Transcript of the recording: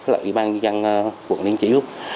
và ủy ban nhân dân quận liên chỉu